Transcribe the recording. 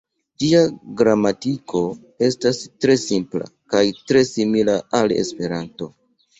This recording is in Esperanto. Ĝia gramatiko estas tre simpla kaj tre simila al Esperanto.